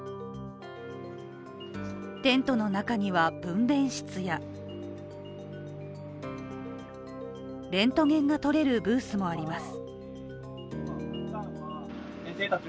テントの中には分娩室やレントゲンが撮れるブースもあります。